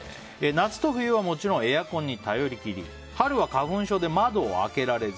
夏と冬はもちろんエアコンに頼り切りな春は花粉症で窓を開けられず。